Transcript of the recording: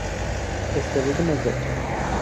استعداد مزاج